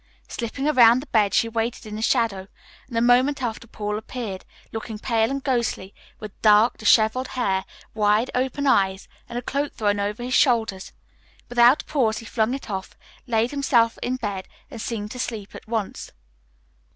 Slipping around the bed she waited in the shadow, and a moment after Paul appeared, looking pale and ghostly, with dark, disheveled hair, wide open eyes, and a cloak thrown over his shoulders. Without a pause he flung it off, laid himself in bed, and seemed to sleep at once.